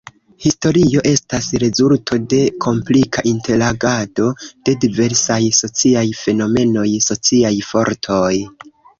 Historio estas rezulto de komplika interagado de diversaj sociaj fenomenoj, sociaj fortoj.